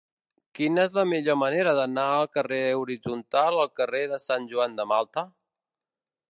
Quina és la millor manera d'anar del carrer Horitzontal al carrer de Sant Joan de Malta?